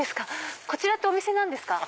こちらってお店なんですか？